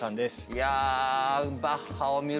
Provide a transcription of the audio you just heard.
いや。